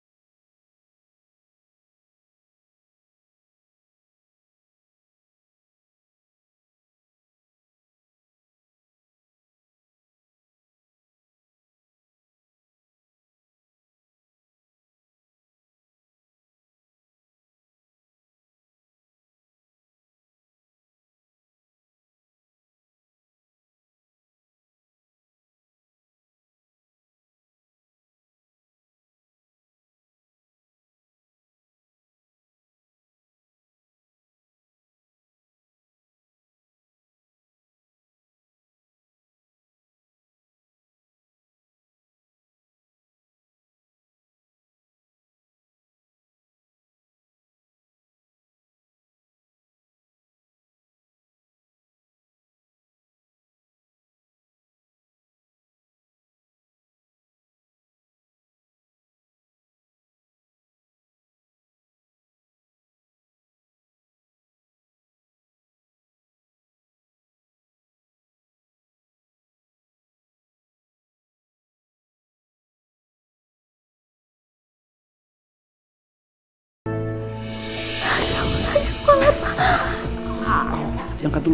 jangan kaget dulu